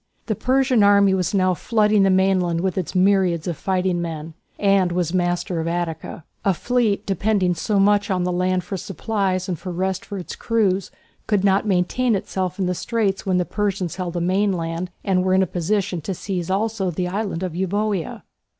The Persian army was now flooding the mainland with its myriads of fighting men, and was master of Attica. A fleet, depending so much on the land for supplies and for rest for its crews, could not maintain itself in the straits when the Persians held the mainland and were in a position to seize also the island of Euboea.